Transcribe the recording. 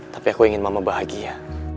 tapi aku ingin mama bahagia